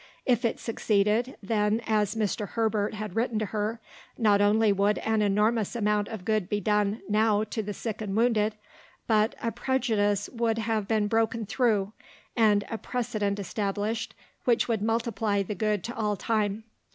If it succeeded, then, as Mr. Herbert had written to her, not only would an enormous amount of good be done now to the sick and wounded, but "a prejudice would have been broken through, and a precedent established, which would multiply the good to all time."